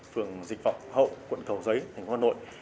phường dịch vọng hậu quận cầu giấy thành phố hà nội